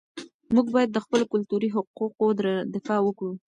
موږ باید د خپلو کلتوري حقوقو دفاع وکړو.